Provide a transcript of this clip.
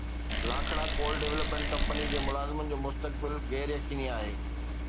لاکڙا ڪول ڊولپمينٽ ڪمپني جي ملازمن جو مستقبل غير يقيني آهي